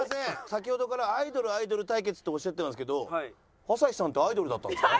先ほどから「アイドルアイドル対決」っておっしゃってますけど朝日さんってアイドルだったんですか？